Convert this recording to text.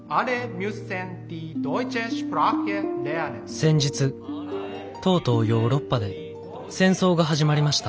「先日とうとうヨーロッパで戦争が始まりました。